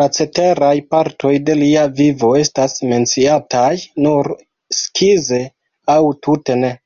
La ceteraj partoj de lia vivo estas menciataj nur skize aŭ tute ne.